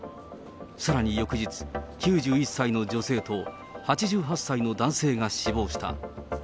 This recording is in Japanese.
さらに翌日、９１歳の女性と８８歳の男性が死亡した。